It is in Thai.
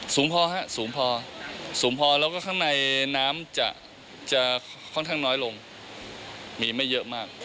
สูงพอฮะสูงพอสูงพอแล้วก็ข้างในน้ำจะค่อนข้างน้อยลงมีไม่เยอะมาก